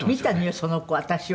その子私は」